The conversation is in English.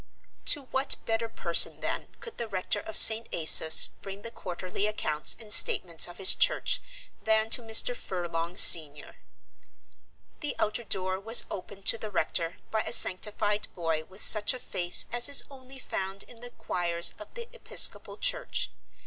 To what better person, then, could the rector of St. Asaph's bring the quarterly accounts and statements of his church than to Mr. Furlong senior. The outer door was opened to the rector by a sanctified boy with such a face as is only found in the choirs of the episcopal church.